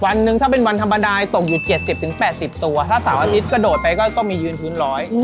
วันหนึ่งถ้าเป็นวันธรรมดาตกอยู่๗๐๘๐ตัวถ้าเสาร์อาทิตย์กระโดดไปก็ต้องมียืนพื้นร้อย